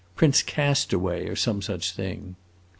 Prince Castaway, or some such thing!"